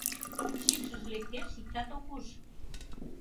Шикшыже лектеш, иктат ок уж.